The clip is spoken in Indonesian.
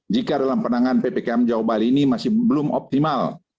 jika dalam penanganan ppkm jawa bali ini masih belum optimal